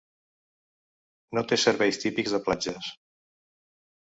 No té serveis típics de platges.